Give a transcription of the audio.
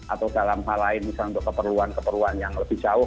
atau dalam hal lain misalnya untuk keperluan keperluan yang lebih jauh